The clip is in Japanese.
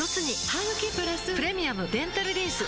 ハグキプラス「プレミアムデンタルリンス」